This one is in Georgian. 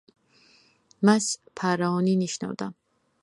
მას ფარაონი ნიშნავდა.